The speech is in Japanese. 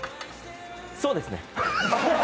そうですね。